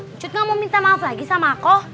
encut nggak mau minta maaf lagi sama aku